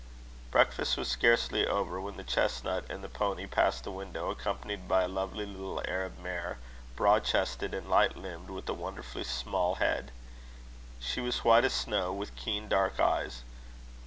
Breakfast was scarcely over, when the chestnut and the pony passed the window, accompanied by a lovely little Arab mare, broad chested and light limbed, with a wonderfully small head. She was white as snow, with keen, dark eyes.